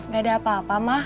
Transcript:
gak ada apa apa mah